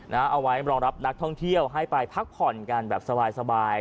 เอาไว้รองรับนักท่องเที่ยวให้ไปพักผ่อนกันแบบสบาย